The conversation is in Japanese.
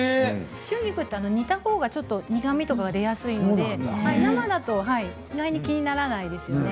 春菊は煮たほうが苦みが出やすいので生だと意外に気にならないんですよね。